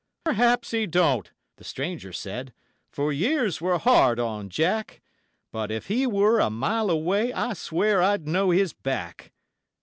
'Perhaps he don't!' the stranger said, 'for years were hard on Jack; But, if he were a mile away, I swear I'd know his back.'